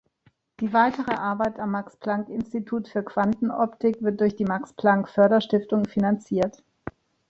Die weitere Arbeit am Max-Planck-Institut für Quantenoptik wird durch die Max-Planck-Förderstiftung finanziert.